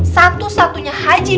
satu satunya haji bah